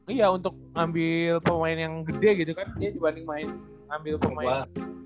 iya untuk ngambil pemain yang gede gitu kan dibanding main ambil pemain